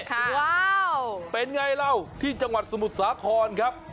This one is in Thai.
ว้าวเป็นไงเราที่จังหวัดสมุทรสาครครับ